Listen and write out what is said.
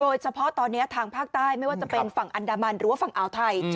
โดยเฉพาะตอนนี้ทางภาคใต้ไม่ว่าจะเป็นฝั่งอันดามันหรือว่าฝั่งอ่าวไทย